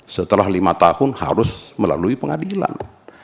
setelah lima tahun harus melalui pengadilan